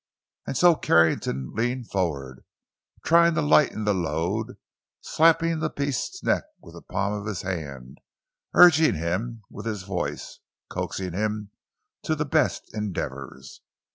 And so Carrington leaned forward, trying to lighten the load, slapping the beast's neck with the palm of his hand, urging him with his voice—coaxing him to the best endeavors.